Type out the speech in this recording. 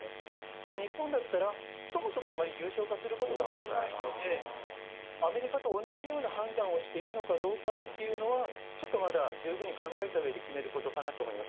でも、日本だったら、そもそもあまり重症化することは少ないので、アメリカと同じような判断をしていいのかどうかっていうのは、ちょっとまだ、十分に考えたうえで決めることかなと思います。